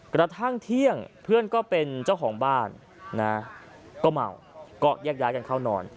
กระทั่งเที่ยงเพื่อนก็เป็นเจ้าของบ้านนะก็เมาก็แยกย้ายกันเข้านอน